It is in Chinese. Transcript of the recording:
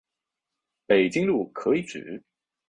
北京路可以指